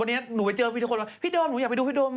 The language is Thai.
วันนี้หนูไปเจอพี่ทุกคนว่าพี่โดมหนูอยากไปดูพี่โดม